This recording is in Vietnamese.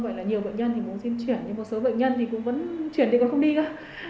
vậy là nhiều bệnh nhân thì muốn xin chuyển nhưng một số bệnh nhân thì cũng vẫn chuyển đi và không đi cơ